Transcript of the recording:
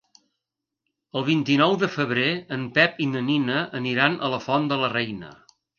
El vint-i-nou de febrer en Pep i na Nina aniran a la Font de la Reina.